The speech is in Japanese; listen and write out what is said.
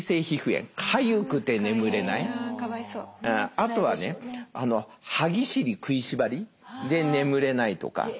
あとはね「歯ぎしり」「食いしばり」で眠れないとか。